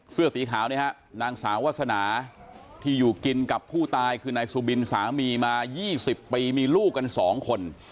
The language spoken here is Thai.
เสื้อสีขาวนี่ฮะนางสาววาสนาที่อยู่กินกับผู้ตายคือนายสุบินสามีมา๒๐ปีมีลูกกัน๒คน